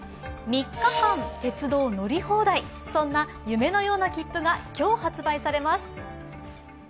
３日間、鉄道乗り放題、そんな夢のような切符が今日、発売されます。